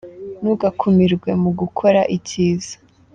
ntugakumirwe mugukora icyiza.